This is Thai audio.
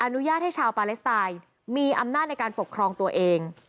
อนุญาตให้ชาวปาเลสไตน์มีอำนาจในการปกครองตัวเอง